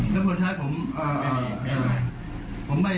แล้วผลท้ายผมไม่